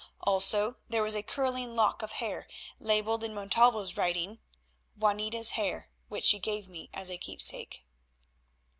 Also there was a curling lock of hair labelled in Montalvo's writing—"Juanita's hair, which she gave me as a keepsake."